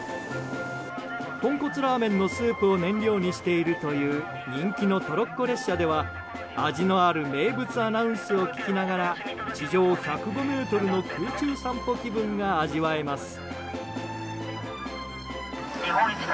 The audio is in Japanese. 豚骨ラーメンのスープを燃料にしているという人気のトロッコ列車では味のある名物アナウンスを聞きながら地上１０５ｍの空中散歩気分が味わえます。